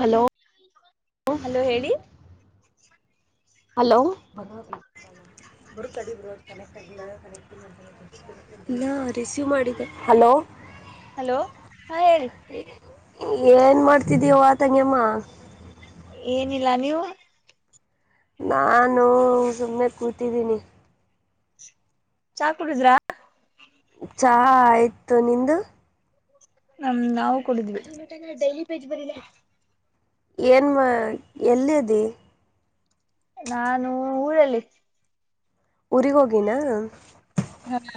Hello hello ಹೇಳಿ [inaudible] hello [inaudible] ಇಲ್ಲ receive ಮಾಡಿದೆ ಹಲೋ ಹಲೋ ಹಾ ಹೇಳಿ ಏನ್ ಮಾಡ್ತಿದ್ದೀವ ತಂಗೆಮ್ಮ ಏನಿಲ್ಲ ನೀವು ನಾನು ಸುಮ್ಮನೆ ಕೂತಿದ್ದೀನಿ ಚಾ ಕುಡಿದ್ರಾ ಚಾ ಆಯ್ತು ನಿಂದು ನಾವು ಕೊಡಿದ್ವಿ ಏನ್ ಮಾ ಎಲ್ಲಿದ್ದಿ ನಾನು ಊರಲ್ಲಿ ಊರಿಗ ಹೋಗಿನ ಹ್ಮ್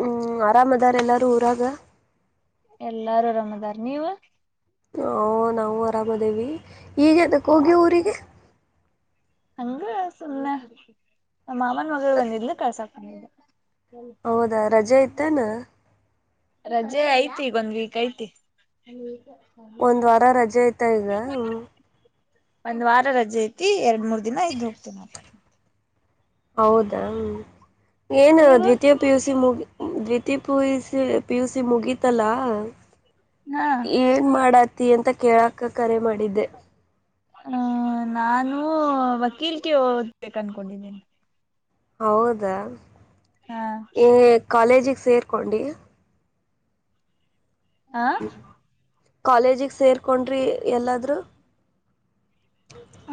ಹ್ಮ್ ಆರಾಮದಾರ ಎಲ್ಲಾರೂ ಊರಾಗ ಎಲ್ಲಾರು ಅರಾಮದಾರ್ ನೀವ ಹಾ ನಾವು ಆರಾಮದೇವಿ ಈಗೆ ಅದ ಹೋಗಿ ಊರಿಗೆ ಹಂಗ ಸುಮ್ನ [inaudible] ನಮ್ಮ್ ಮಾಮನ ಮಗ ಬಂದಿದ್ಲು ಕಳ್ಸಾಕ್ ಬಂದಿದೆ ಹೌದಾ ರಜೆ ಇತೇನಾ ರಜೆ ಐತಿ ಈಗ ಒಂದ್ ವೀಕ್ ಐತಿ ಒಂದ್ ವಾರ ರಜೆ [unintelligible] [unintelligible] ಒಂದ್ ವಾರ ರಜೆ ಐತಿ ಎರಡ್ ಮೂರ್ ದಿನ ಇದ್ ಹೋಗ್ತಿನಿ ಆತ ಹೌದಾ. ಏನು ನೀವು ದ್ವಿತೀಯ ಪಿ ಯು ಸಿ ಮುಗಿ ದ್ವಿತೀಯ ಪು U C P U C ಮುಗೀತಲ್ಲಾ. ಹಾ ಏನ್ ಮಾಡತ್ ಅಂತ ಕೇಳಕ ಕರೆ ಮಾಡಿದ್ದೆ. ಹಾ ನಾನು ವಕೀಲ್ಗೆ ಓದ್ಬೇಕು ಅನ್ಕೊಂಡಿದ್ದೇನಿ ಹೌದಾ ಹಾ ಈ ಕಾಲೇಜಿಗೆ ಸೇರ್ಕೊಂಡಿ ಹಾ ಕಾಲೇಜಿಗೆ ಸೇರ್ಕೊಂಡ್ರಿ ಎಲ್ಲಾದರೂ.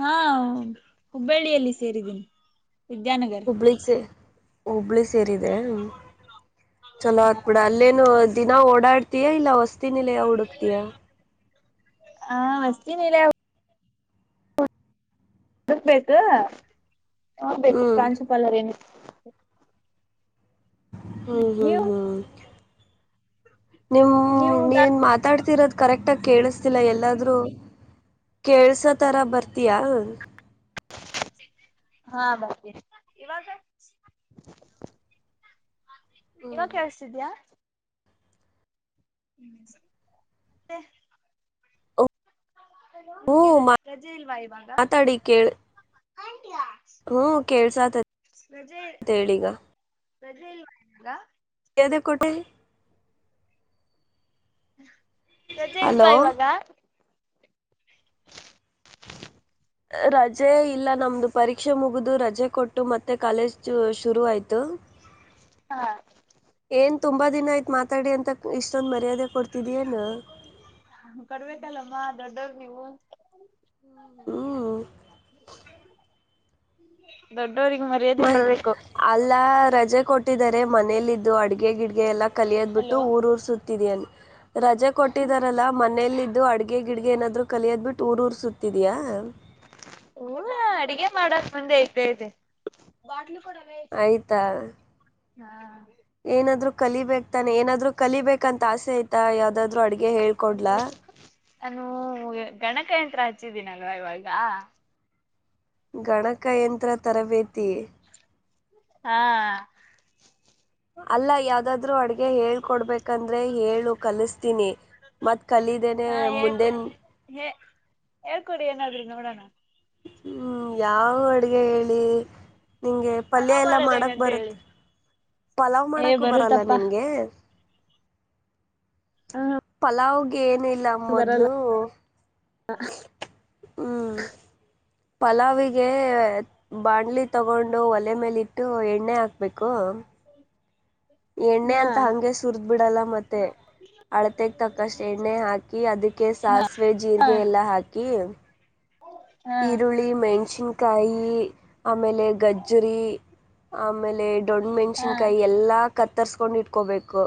ಹಾ ಹುಬ್ಬಳ್ಳಿಯಲ್ಲಿ ಸೇರಿದ್ದೀನಿ. ವಿದ್ಯಾನಗರ್ ಹುಬ್ಬಳ್ಳಿಸೇ ಹುಬ್ಳಿ ಸೇರಿದೆ. ಚಲೋ ಹಾ ಆತ್ ಬಿಡ ಅಲ್ಲೇನು. ದಿನ ಓಡಾಡ್ತಯಾ ಇಲ್ಲ. ಹೊಸ್ ತಿನಿಲಯಾ ಹುಡುಕ್ತೀಯಾ. ಹಾ ಹೊಸತಿ ನಿಲಯ ಹುಡ್ಕಬೆಕ್. ನೋಡಬೇಕು ಹ್ಮ್ ಪ್ರಾಂಶುಪಾಲರು ಏನ್ [inaudible] ಹ್ಮ ಹ್ಮ ಹ್ಮ್ ನೀವು ನೀನ್ ಮಾತಾಡ್ತಿರೋದು ಕರೆಕ್ಟ್ ಟ್ಟ ಕೇಳಿಸತಿಲ್ಲ ಎಲ್ಲಾದ್ರೂ ಕೇಳ್ಸತರ ಬರ್ತೀಯ. ಹಾ ಬರ್ತೀನಿ. ಇವಾಗ ಇವ್ಗ್ ಕೇಳಸ್ತಿದ್ಯಾ. [unintelligible] ನಿಮ್ಗೆ ರ ಹ್ಮ ರಜೆ ಇಲ್ವಾ ಇವಾಗ. ಹ್ಮ ಕೇಳ್ಸಾತತಿ ರಜೆ ತೇಳಿಗ. ರಜೆ ಇಲ್ವಾ ಇವಾಗ. [unintelligible] [inaudible] ರಜೆ ಹಲೋ ಇಲ್ವಾ ಇವಾಗ. [inaudible] ರಜೆ ಇಲ್ಲ ನಮ್ದು ಪರೀಕ್ಷೆ ಮುಗಿದ, ರಜೆ ಕೊಟ್ಟು ಮತ್ತೆ ಕಾಲೇಜ್ ಶುರು ಆ ತು ಹಾ ತುಂಬಾ ದಿನ ಆಯ್ತ ಮಾತಾಡಿ ಅಂತ ಇಷ್ಟೊಂದ ಮರ್ಯಾದೆ ಕೊಡ್ತಿದಿದ್ದ. ಕಡ್ಬೇಕಲ್ಲಮ್ಮ ದೊಡ್ಡ ನೀವು ಹ್ಮ ಹ್ಮ್ ಬರ್ ಬಡವರಿಗೆ ಮರ್ಯಾದೆ ಮ ಕೊಡ್ಬೇಕು. ರಜೆ ಕೊಟ್ಟಿದರೆ. ಮನೇಲ್ಲಿದ್ದು ಅಡ್ಗೆ ಗಿಡ್ಗೆ ಎಲ್ಲಾ ಕಲಿಯೋದ್ ಬಿಟ್ಟು ಹಲೋ ಊರ್ ಉರ್ಸುತ್ತಿದ್ಯನ್ ರಜೆ ಕೊಟ್ಟಿದಾರಲ್ಲಾ ಮನೇಲ್ಲಿದ್ದು ಅಡ್ಗೆ ಗಿಡ್ಗೆ ಏನಾದ್ರು ಕಲಿಯೋದ್ ಬಿಟ್ಟು ಊರ್ ಉರ್ಸುತ್ತಿದಯ ಅಡಿಗೆ ಮಾಡಕ್ ಮುಂದೆ ಐತೆ ಐತೆ ಆಯ್ತಾ ಹಾ ಏನಾದ್ರು ಕಲಿಬೇಕ್ ತಾನೆ ಏನಾದ್ರು ಕಲಿಬೇಕಂತ ತಾಸೆ ಆಯ್ತಾ ಯಾವ್ದಾದ್ರು ಅಡ್ಗೆ ಹೇಳ್ಕೊಡ್ಲ ನಾನೂ ಗಣಕಯಂತ್ರ ಹಚ್ಚಿದ್ದೀನಲ್ವಾ ಇವಾಗ ಗಣಕ ಯಂತ್ರ ತರಬೇತಿ ಹಾ ಅಲ್ಲ ಯಾವ್ದಾದ್ರು ಅಡ್ಗೆ ಹೇಳ್ಕೊಡ್ಬೇಕ ಯಾಕಂದ್ರೆ ಹೇಳು ಕಲಿಸ್ತೀನಿ ಮ ಕಲೀಿದೇನೆ ಹಾ ಮುಂದೆ ಹೇಳ್ಕೊ ಹೇ ಹೇಳ್ಕೊಡಿ ಏನಾದ್ರಿ ನೋಡೋಣ ಹ್ಮ್ ಯಾವ ಹ ಅಡ್ಗೆ ಹೇಳಿ ನಿಂಗೆ ಪಲ್ಯ ಪಲಾವ್ ಎಲ್ಲ ಮಾಡೋದ್ ಮಾಡಕ್ ಹೆಂಗಂತ ಬರುತ್ತ ಹೇಳಿ ಪಲಾವ್ ಏ ಮಾಡಕೂ ಬರಲ್ಲ ಬರುತ್ತಪ್ಪಾ ನಿನ್ಗೆ ಹ ಪಲಾವ್ಗೆ ಏನಿಲ್ಲ ಇಲ್ಲ ಮೊದಲು ಹ ಹ್ಮ್ ಪಲಾವಿಗೆ ಬಾಣ್ಲಿ ತಗೊಂಡು ಒಲೆ ಮೇಲಿ ಇಟ್ಟು ಎಣ್ಣೆ ಹಾಕ್ಬೇಕು ಎಣ್ಣೆ ಹಾ ಅಂತ ಹಂಗೆ ಸುರ್್ದ ಬಿಡಲ್ಲ ಮತ್ತೆ ಮತ್ತು ಅಳತೆಗೆ ತಕ್ಕಷ್ಟು ಎಣ್ಣೆ ಹಾಕಿ ಅದಕ್ಕೆ ಸಾಸಿವೆ ಹಾ ಜೀರಿಗೆ ಎಲ್ಲ ಹಾಕಿ ಹಾ ಈರುಳ್ಳಿ ಮೆಣ್ಸಿನ್ಕಾಯಿ ಆಮೇಲೆ ಗಜ್ಜರಿಿ ಆಮೇಲೆ ದೊಣ ಹಾ ಮೆಣ್ಸಿನ್ಕಾಯಿ ಎಲ್ಲ ಕತ್ತ ತರ್ಸ್ಕೊಂಡು ಇಟ್ಕೋಬೇಕು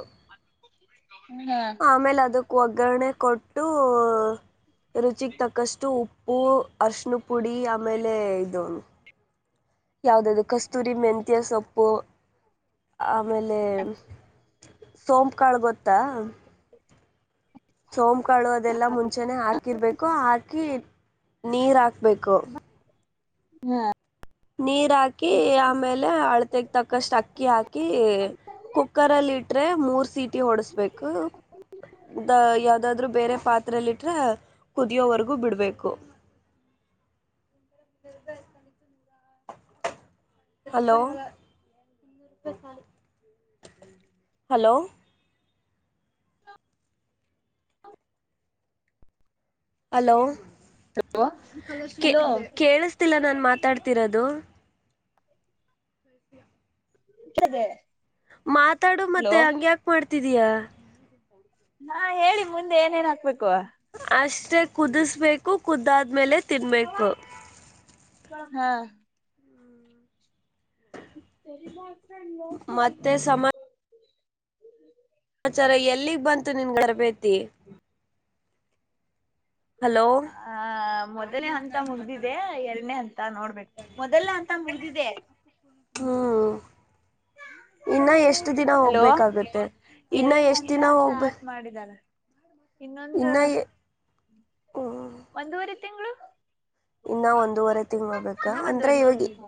ಹಾ ಆಮೇಲೆ ಅದು ಒಗ್ಗರಣೆ ಕೊಟ್ಟು ರುಚಿಗೆ ತಕ್ಕಷ್ಟು ಉಪ್ಪು ಅರ್ಶನ ಪುಡಿ ಆಮೇಲೆ ಇದು ಯಾವ್ದ್ದು ಕಸ್ತೂರಿ ಮೆಂತಿಯ ಸೊಪ್ಪು ಆಮೇಲೆ ಸೋಂಪು ಕಾಳ ಗೊತ್ತಾ ಸೋಮ ಕಳು ಅದೆಲ್ಲಾ ಮುಂಚೆನೆ ಹಾಕಿರ್ಬೇಕು ಹಾಕಿ ನೀರ ಹಾಕ್ಬೇಕು ಹ್ಮ ನೀರ್ ಹಾಕಿ ಆಮೇಲೆ ಅಳತೆಗ್ ತಕ್ಕಷ್ಟ ಅಕ್ಕಿ ಹಾಕಿ ಕುಕ್ಕರಲ್ಲಿ ಇಟ್ರೆ ಮೂರ್ ಸೀಟಿ ಹೊಡಸ್ಬೇಕು ಾದ್ರೂ ಬೇರೆ ಪಾತ್ರರೆೆಯಲ್ಲಿ ಇಟ್ರ ಕುದಿಯೋವರೆಗೂ ಬಿಡ್ಬೇಕು [unintelligible] hello hello hello hello hello ಕೇಳಿಸತಿಲ್ಲ ನಾನ್ ಮಾತಾಡ್ ಹತ್ತಿರದು ದ [unintelligible] ಮಾತಾಡು ಮತ್ತೆ ಹಂಗ್ಯಾಾಕ ಮಾಡ ಇದಿಯಾ ನಾ ಹೇಳಿ ಮುಂದೆ ಏನೇನ್ ಹಾಕ್ಬೇಕು ಅಷ್ಟೇ ಕುದಿಸ್ಬೇಕು ಕುದಾದ ಆದ್ಮೇಲೆ ತಿನ್ಬೇಕು ಹಾ ಇ ಸರಿ ಮಾಡ [unintelligible] ಸರಿ [unintelligible] ಮತ್ತೆ ಹ್ಮ್ಮ ಆಚಾರ ಎಲ್ಲಿಗ್ ಬಂತು ನಿನ್ಗರಬೇತಿ ಆ ಮೊದನೇ ಹಂತ ಮುಗ್ದಿದೆ ಎರಡನೇ ಹಂತ ನೋಡ್ಬೇಕೇು ಮೊದಲನೇ ಹಂತ ಮುಗ್ದಿದೆೆ ಹ್ಮ್ ಇನ್ನ ಎಷ್ಟ ದಿನ ಹೋಗ್ಬೇಕಾಗತ್ತೆ ಇನ್ನ ಎಷ್ಟ್ ದಿನ ಹೋಗ್ಬ ಹ ಇನ್ನೊಂದು ಇನ್ನ ಹ್ಮ್ ಒಂದುವಊರಿ ತಿಂ ಇನ್ನ ಒಂದೂವರೆ ತಿಂಗ ಹೋಗ್ಬೇಕ ಅಂದ್ರೆ ಒಂದೂವರೆ ಇವಾಗ ತಿಂಗಳು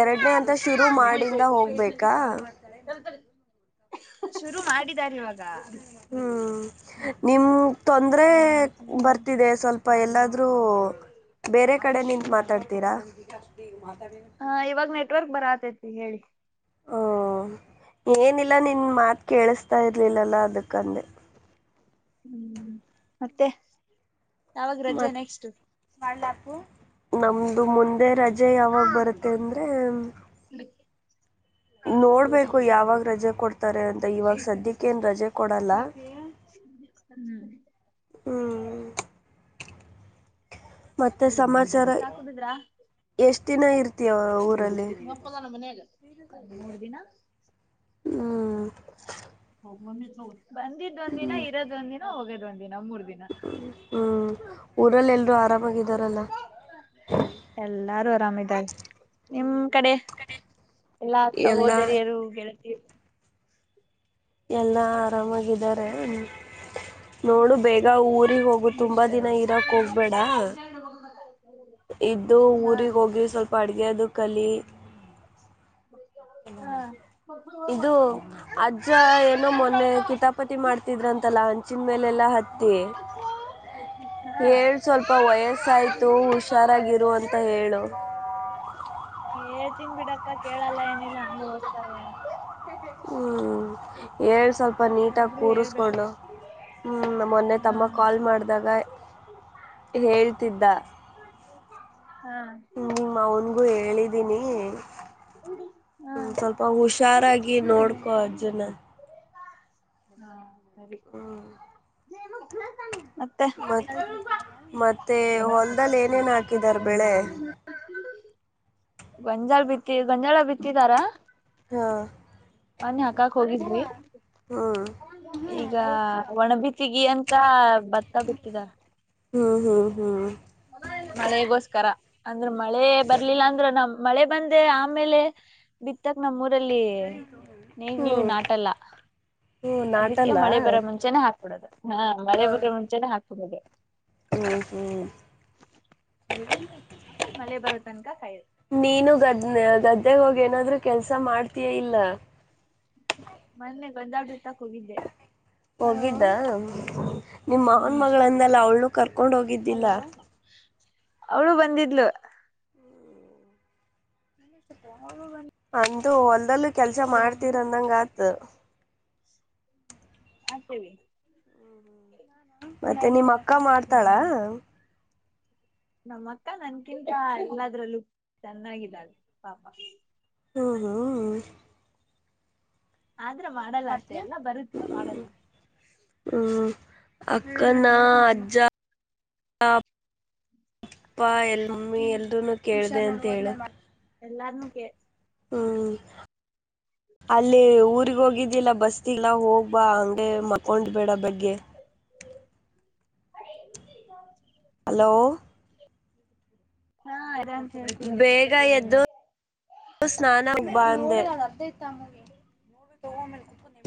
ಎರಡನೇ ಅಂತ ಶುರು ಮಾಡಿಂದ ಹೋಗ್ಬೇಕಾ ಶುರು ಮಾಡಿದಿದ್ದಾರೆ ಇವಾಗ ಹ್ಮ್ ನಿಮ್ಮ ತೊಂದರೆ ಬರ್ತಿದೆ ಸ್ವಲ್ಪ ಎಲ್ಲ ಆದ್ರೂ ಬೇರೆ ಕಡೆ ನಿಂತು ಮಾತಾಡ್ತೀರಾ ಹ ಹಾ ಇವಾಗ್ ನ ನೆಟ್ವರ್ಕ್ ಬರ ಆತೈತಿ ಹೇಳಿ ಹ್ಮ ಏನಿಲ್ಲ ನಿನ್ ಮಾತು ಕೇಳಿಸತಾ ಇರ್ಲಿಲ್ಲಲ್ಲಾ ಅದಕ್ಕಂದ ಹ್ಮ್ ಮತ್ತೆ ಯಾವಾಗ ರಜೆ ಮತ್ ನೆಕ್ಸ್ಟ್ ನಮ್ದು ಮುಂದೆ ರಜೆ ವಿಜೆ ಯಾವಾಗ ಬರುತ್ತೆ ಅಂದರೆ ನೋಡ್ಬೇಕು ಯಾವಾಗ ರಜೆ ಕೊಡ್ತ ತಾರೆ ಅಂತ ಇವಾಗ ಸದ್ಯಕ್ಕೆ ಏನ್ ರಜೆ ಕೊಡಲ್ಲ ಹ್ಮ್ ಹ್ಮ್ ಮತ್ತೆ ಸಮಾಚಾರ ಸಾಕುದಿದ್ರಾ ಎಷ್ಟು ದಿನ ಇರ್ತಿ ಊ ನಿಮ್ಮಪ್ಪದಾನ ಮನಗ ಮೂರು ದಿನ ಹ್ಮ ಹೌ ಮಮ್ಮ ಹೌ ಬಂದಿದ್ದ್ ಒಂದ ದಿನ ಇರೋದ ಒಂದ ದಿನ ಹೋಗೋದು ಹ್ಮ ಹ್ಮ್ ಊರಲ್ಲೆಲ್ರೂ ಆರಾಮಾಗಿದ್ದಾರಲ್ಲ ರಾಮದಾ್ ನಿಮ ಕಡೆ. ಎಲ್ಲ ಆತಾ ಎಲ್ಲಾ ಹೋದರಿಾರ ಹ ಎಲ್ಲ ಆರಾಮಾಗಿದ್ದಾರೆ ನೋಡು ಬೇಗ ಊರಿಗೆಗ್ ಹೋಗು ತುಂಬಾ ದಿನ ಇರಕ್ ಹೋಗ್ಬೇಡ ಇದ್ದು ಹಾ ಊರಿಗೆ ಹೋಗಿ ಸ್ವಲ್ಪ ಅಡ್ಗೆ ಅದು ಕಲಿ ಇದು ಹಾ ಅಜ್ಜ ಏನೋ ಮೊನ್ನೆ ಕಿತಾಬ್ ಹತ್ತಿದ್ರ ಅಂತಲ್ಲಾ ಹಂಚಿನ ಮೇಲೆ ಎಲ್ಲಾ ಹತ್ತಿ ಹಾ ಹೇಳ ಸ್ವಲ್ಪ ವಯಸ್ಸಾಯ್ತು ಹುಷಾರಾಗಿರು ಅಂತ ಹೇಳು ತಿನ್ಬಿಡಕ್ಕ ಕೇಳಲ್ಲ ಏನಿಲ್ಲ ಅಂದ ಹೋದ್ತಾರೆ ಹ್ಮ್ ಏಳ್ ಸ್ವಲ್ಪ ನೀಟಾಗಿ ಇಬ್ರು ಹೇಳ್ಬೇಕ ಕೂರಿಸ್ಕೊಂಡು ಹ ಮೊನ್ನೆ ಹಾ ತಮ್ಮ ಕಾಲ್ ಮಾಡಿದಾಗ ಹೇಳ್ತಿದ್ದ ಹ ಹಾ ನಿಮ ಅವನ್ಗೂ ಹೇಳಿದೀನಿ ಹಾ ಹ್ಮ ಸ್ವಲ್ಪ ಹುಷಾರಾಗಿ ನೋಡ್ಕೊ ಅಜ್ಜುನ ಹ್ಮ ಸರಿ ಮತ್ತೆ ಮ ಮತ್ತೆ ಹೊಲ್ದದಲ್ಲಿ ಏನೇನ್ ಹಾಕಿದಾರ್ ಬೆಳೆ ಗಂಜಾಳ ಬಿತ್ತಿ ಗಂಜಳ ಬಿತ್ತಿದಾರಾ ಹಾ ಹ್ಮ್ ಈಗ ಒಣಬತಿಗಿ ಅಂತ ಭತ್ತ ಬಿಟ್ಟಿದ ಹ್ಮ್ ಹ್ಮ್ ಹ್ಮ್ ಮಳೆಗೋಸ್ಕರ ಅ [unintelligible] ಅಂದ್ರೆ ಮಳೆ ಬರ್ಲಿಲ್ಲ ಅಂದ್ರ ನಮ್ ಮಳೆ ಬಂದೆ ಆಮೇಲೆ ಬಿತ್ತಕ್ ನಮ್ಮೂರ ಲ್ಲಿ ನೀ ಹ್ಮ್ ನಾಟಲ್ಲ ಹ್ಮ್ ಅದಕ್ಕೆ ನಾಟಲ್ಲ ಮಳೆ ಬರೋ ಮುಂಚೆ ಹಾಕ್ ಕೂಡದು ಹಾ ಮಳೆ ಬ್ರೆ ಮುಂಚೆ ಹಾತ ಹಮಗೆ [unintelligible] ಹೂ ಹ್ಮ್ ಆಮೇಲ್ ಮಳೆ ಬರೋ ತನಕ ಕಾಯೋದು ನೀನು ಗದ್ದನೆ ಗದ್ದೆ ಹೋಗ ಏನಾದ್ೂ ಕೆಲ್ಸ ಮಾಡ್ತಯ ಇಲ್ಲ ಮನ್ನೆ ಬಂದಾಡ್ರ್ತಕ್ ಹೋಗಿದ್ದೆ ಹೋಗಿದ್ದ ನಿಮ್ಮವನ ಹ್ಮ್ ಮಗಳನ್ನೆಲ್ಲ ಅವಳನುೂ ಕರ್ಕೊಂಡ್ ಹೋಗಿದ್ದಿಲ್ಲ ಅವಳೂ ಬಂದಿದ್ಲು ಹೌ [unintelligible] ಒಂದು ಹೊಲ್ದಲ್ಲೂ ಕೆಲ್ಸ ಮಾಡ್ತೀರಂದಂಗ ಆತ ಮಾಡ್ತೀವಿ ಮತ್ತೆ ನಿಮ್ಮಕ್ಕ ಪಕ್ಕ ಮಾಡ್ತಾಳ ನಮ್ಮ ಅಕ್ಕ ನನ್ಕಿಂತ ಎಲ್ಲಾದ್ರ ಲುಕ್ ಚೆನ್ನಾಗಿದ್ದಲ್ ಪಾಪ ಹ್ಮ ಹಾ ಆದ್ರ ಮಾಡಲ್ಲ ಅಷ್ಟೆ ಎಲ್ಲ ಬರುತ್ತ ಮಾಡಲ್ಲ ಹ್ಮ್ ಅಕ್ಕನ ಅಜ್ಜ ಅಪ್ಪ ಎಲ್ಮ್ಮಿ ಎಲ್ನು ಕೇಳ್ದ ಅಂತ ಹೇಳ ಎಲ್ಲಾರನುಕೆ ಹ್ಮ್ ಅಲ್ಲಿ ಊರಿರಿಗೆ ಹೋಗಿದ್ದಿಲ್ಲ ಬಸ್ತಿಲ್ಲ ಹೋಗ್ಬಾ ಅಂಗೇ ಮಕೊಂಡ ಬೇಡ ಬೆಗ್ಗೆ ಅ ಹಲೋ ಹಾ ಇರ ಅಂತ ಹೇಳ್ತೀನಿ ಬೇಗ ಎದ್ದು ಸ್ನಾನ ಬಂದೆ [unintelligible]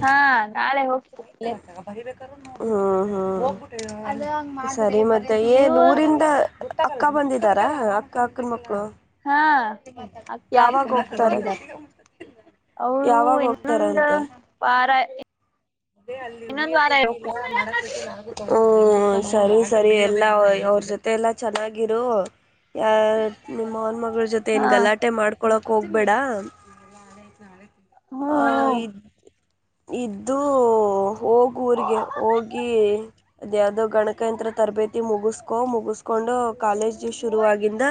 ಹಾ ನಾಳೆ ಹೋಗ್ತಿರ್ಲೇ ಸರಿ ಮತ್ತೆ ಅದ ಏ ನೀವು ನೂರಿಂದ [inaudible] ಅಕ್ಕ ಬಂದಿದಾರಾ ಅಕ್ಕ ಅಕ್ಕನ ಮಕ್ಕಳು ಹಾ ಅಕ್ಕ ಯಾಗ ಅಕ್ಕನ ಮಕ್ಳು ಹೋಗ್ತ ಬಂದಿದಾರ ಅವರು ಯಾವಾಗ ಇನ್ನೊಂದ ಹೋಗ್ತಾರಂತೆ ವಾರ ಇನ್ನೊಂದ್ ವಾರ ಹೋಗ್ತಾರೆ. ಸರಿ ಸರಿ ಎಲ್ಲಾ ಅವ್ರ ಜೊತೆ ಎಲ್ಲಾ ಚೆನ್ನಾಗಿರು ಯಾರ ನಿಮನ್ ಮಗ ಜ ಹಾ ಏನು ಗಲಾಟೆ ಮಾಡ ಕೊಳಕ್ ಹೋಗ್ಬೇಡ ಹ್ಮ ಆ ಹ್ಮ ಇದ್ ಇದ್ದು ಹೋಗುವಊರಿಗೆ ಹೋಗಿ ಯಾವ್ದೋ ಗಣಕಯಂತ್ರ ತರಬೇತಿ ಮುಗಸ್ಕೋ ಮುಗಿಸ್ಕೊಂಡು ಕಾಲೇಜ್ ಶುರು ಆಗಂದ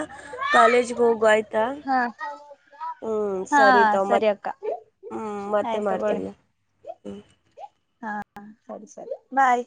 ಕಾಲೇಜ್ ಹೋಗ ಆಯ್ತು ಹಾ ಹ ಹಾ ಸರಿತ ಹ ಸರಿ ಅಕ್ಕ ಮೆ ಆಯ್ತು ಮಾಡ್ತಲ್ಲ ಹಾ ಸರಿ ಸರಿ ಬಾಯ್